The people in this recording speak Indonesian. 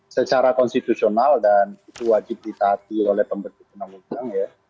secara konstitusional dan itu wajib ditaati oleh pembentuk undang undang ya